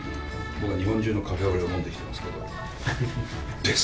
僕は日本中のカフェオレを飲んできてますけど。